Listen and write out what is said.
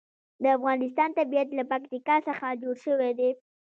د افغانستان طبیعت له پکتیکا څخه جوړ شوی دی.